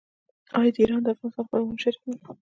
آیا ایران د افغانستان لپاره مهم شریک نه دی؟